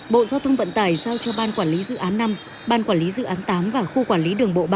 bộ giao thông vận tải giao cho ban quản lý dự án năm ban quản lý dự án tám và khu quản lý đường bộ ba